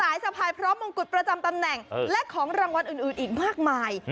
สะพายพร้อมมงกุฎประจำตำแหน่งและของรางวัลอื่นอีกมากมาย